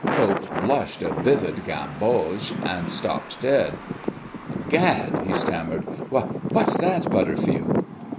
Coke blushed a vivid gamboge, and stopped dead. "Gad!" he stammered. "Wha what's that, Butterfield?"